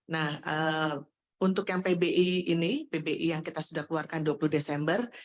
nah untuk yang pbi ini pbi yang kita sudah keluarkan dua puluh desember